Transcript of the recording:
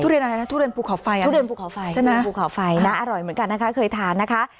ทุเรียนอะไรนะทุเรียนภูเขาไฟทุเรียนภูเขาไฟอร่อยเหมือนกันนะคะเคยทานนะคะ